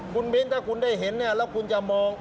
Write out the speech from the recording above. คุณมิ้นถ้าคุณได้เห็นเนี่ยแล้วคุณจะมอง